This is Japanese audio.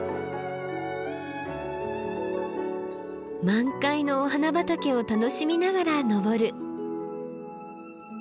満開のお花畑を楽しみながら登る。